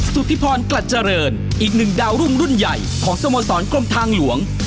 สุธิพรกลัดเจริญอีกหนึ่งดาวรุ่งรุ่นใหญ่ของสโมสรกรมทางหลวง